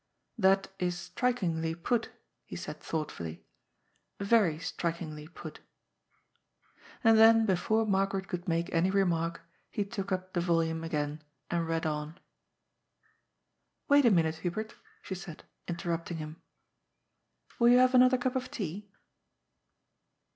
" That is strikingly put," he said thoughtfully, " very strikingly put." And then before Margaret could make any remark, he took up the volume again and read on. " Wait a minute, Hubert," she said, interrupting him. " Will you have another cup of tea?